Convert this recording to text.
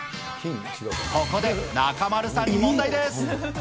ここで中丸さんに問題です。